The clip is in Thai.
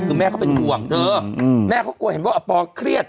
คือแม่เขาเป็นห่วงเธอแม่เขากลัวเห็นว่าอปอเครียด